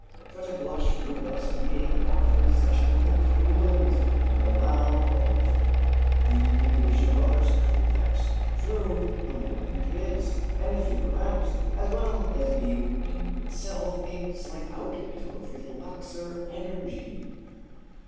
Such a blush would thus be a partial sexual equivalent, and allow of the inhibition of other sexual effects, through the warning it gives, and the fear aroused, as well as being in itself a slight outlet of relaxor energy.